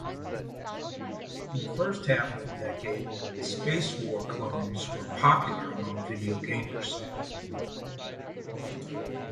In the first half of the decade Spacewar! clones were popular among video gamers.